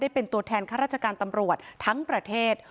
เป็นตัวแทนข้าราชการตำรวจทั้งประเทศ